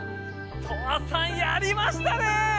トアさんやりましたねえ！